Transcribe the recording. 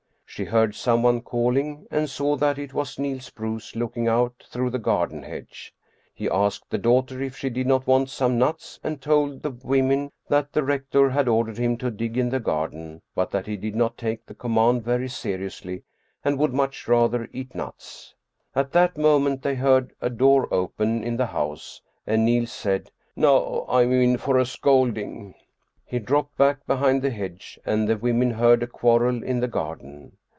She heard some one calling and saw that it was Niels Bruus looking out through the garden hedge. He asked the daughter if she did not want some nuts and told the women that the rector had ordered him to dig in the garden, but that 285 Scandinavian Mystery Stories he did not take the command very seriously and would much rather eat nuts. At that moment they heard a door open in the house and Niels said, " Now I'm in for a scolding." He dropped back behind the hedge and the women heard a quarrel in the garden.